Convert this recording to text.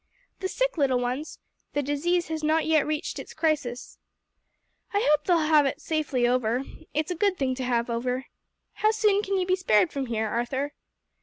"The sick little ones? The disease has not yet reached its crisis." "I hope they'll get safely over it: it's a good thing to have over. How soon can you be spared from here, Arthur?"